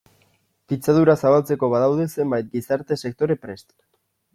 Pitzadura zabaltzeko badaude zenbait gizarte sektore prest.